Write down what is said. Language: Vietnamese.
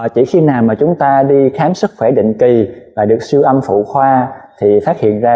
chỉ khi nào mà chúng ta đi khám sức khỏe định kỳ và được siêu âm phụ khoa thì phát hiện ra